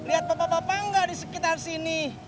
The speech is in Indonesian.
lihat papa papa nggak di sekitar sini